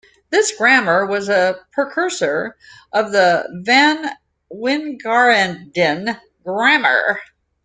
This grammar was a precursor of the Van Wijngaarden grammar.